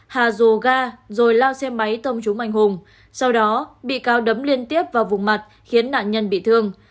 hà rồ ga rồi lao xe máy tông trúng anh hùng sau đó bị cáo đấm liên tiếp vào vùng mặt khiến nạn nhân bị thương